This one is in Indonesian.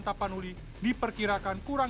tapanuli diperkirakan kurang